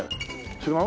違う？